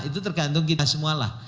itu tergantung kita semua lah